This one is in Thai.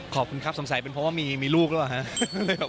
ขอบคุณครับสงสัยเป็นเพราะว่ามีลูกหรือเปล่าครับ